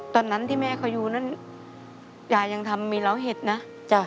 ตอนนั้นที่แม่เขาอยู่นั้นยายังทำมีร้องเห็ดนะ